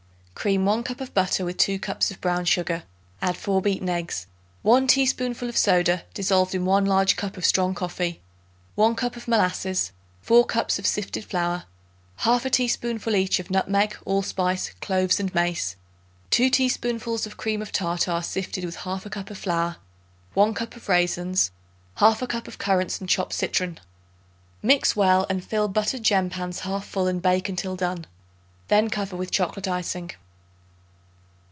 Cream 1 cup of butter with 2 cups of brown sugar; add 4 beaten eggs, 1 teaspoonful of soda dissolved in 1 large cup of strong coffee, 1 cup of molasses, 4 cups of sifted flour, 1/2 teaspoonful each of nutmeg, allspice, cloves and mace, 2 teaspoonfuls of cream of tartar sifted with 1/2 cup of flour, 1 cup of raisins, 1/2 cup of currants and chopped citron. Mix well and fill buttered gem pans 1/2 full and bake until done. Then cover with chocolate icing.